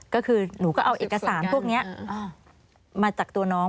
ก็คือหนูก็เอาเอกสารพวกนี้มาจากตัวน้อง